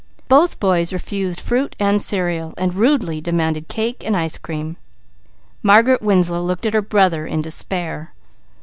Both boys refused fruit and cereal, rudely demanding cake and ice cream. Margaret Winslow looked at her brother in despair.